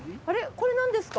これ何ですか？